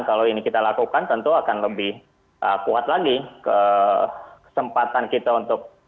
kalau ini kita lakukan tentu akan lebih kuat lagi kesempatan kita untuk